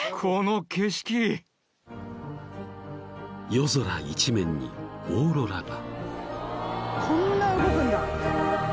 ［夜空一面にオーロラが］